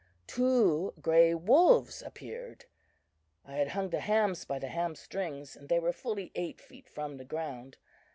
Two grey wolves appeared. "I had hung the hams by the ham strings, and they were fully eight feet from the ground.